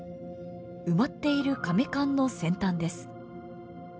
埋まっているかめ棺の先端です。